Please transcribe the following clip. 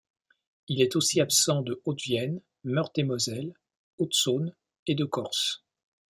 Il est aussi absent de Haute-Vienne, Meurthe-et-Moselle, Haute-Saône et de Corse.